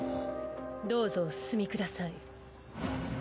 どうぞお進みください。